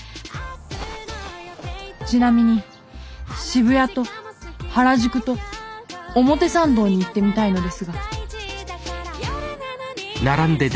ちなみに渋谷と原宿と表参道に行ってみたいのですが。